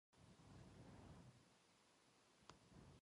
音楽会に行きました。